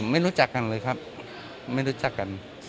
ไม่รู้จักกันเลยครับไม่รู้จักกัน